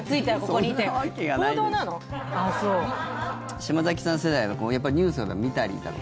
島崎さん世代はやっぱりニュースを見たりだとか。